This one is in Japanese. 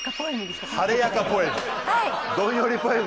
晴れやかポエム？